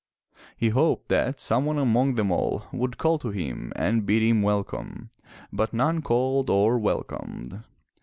He hoped that some one among them all would call to him and bid him welcome, but none called or welcomed.